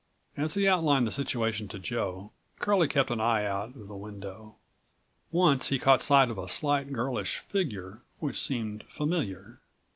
As he outlined the situation to Joe, Curlie kept an eye out of the window. Once he caught sight of a slight girlish figure which seemed familiar.